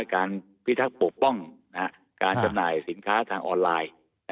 การพิทักษ์ปกป้องการจำหน่ายสินค้าทางออนไลน์